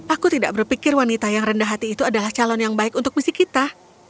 aku tidak berpikir wanita yang rendah hati itu adalah calon yang baik untuk misi kita